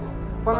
kami mohon diri